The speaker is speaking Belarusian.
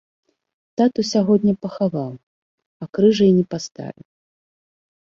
Тату сягоння пахаваў, а крыжа і не паставіў.